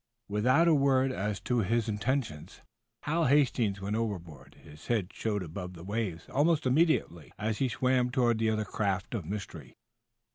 Without a word as to his intentions Hal Hastings went overboard. His head showed above the waves almost immediately, as he swam toward that other craft of mystery.